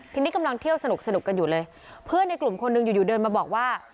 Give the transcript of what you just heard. ทีนี้กำลังเที่ยวสนุกสนุกกันอยู่เลยเพื่อนในกลุ่มคนหนึ่งอยู่อยู่เดินมาบอกว่า